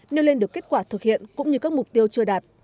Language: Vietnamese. nêu lên được kết quả thực hiện cũng như các mục tiêu chưa đạt